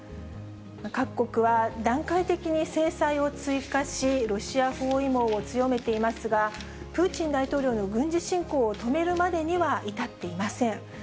各国は、段階的に制裁を追加し、ロシア包囲網を強めていますが、プーチン大統領の軍事侵攻を止めるまでには至っていません。